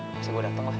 pasti gua dateng lah